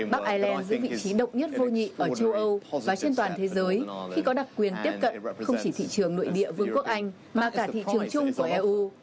bắc ireland giữ vị trí độc nhất vô nhị ở châu âu và trên toàn thế giới khi có đặc quyền tiếp cận không chỉ thị trường nội địa vương quốc anh mà cả thị trường chung của eu